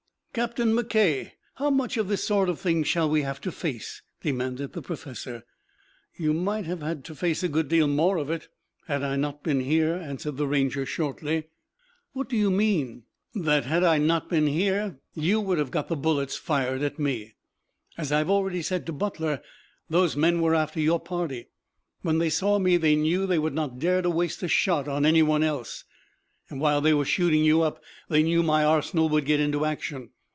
"Captain McKay, how much of this sort of thing shall we have to face?" demanded the professor. "You might have had to face a good deal more of it, had I not been here," answered the Ranger shortly. "What do you mean?" "That had I not been here you would have got the bullets fired at me. As I have already said to Butler, those men were after your party. When they saw me they knew they would not dare to waste a shot on any one else." "While they were shooting you up, they knew my arsenal would get into action.